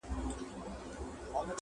• په دې سپي کي کمالونه معلومېږي,